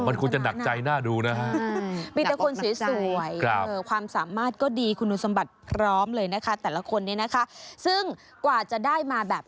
อยากให้คุณไปเป็นกรรมการ